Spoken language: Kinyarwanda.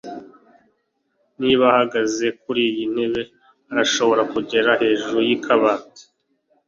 niba uhagaze kuriyi ntebe, urashobora kugera hejuru yikabati